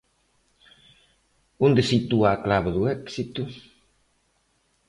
Onde sitúa a clave do éxito?